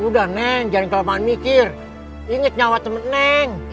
udah neng jarang kelamaan mikir inget nyawa temen neng